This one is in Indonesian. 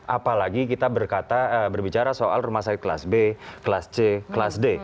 apalagi kita berbicara soal rumah sakit kelas b kelas c kelas d